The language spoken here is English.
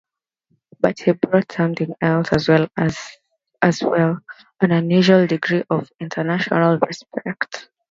But he brought something else as well: an unusual degree of international respect.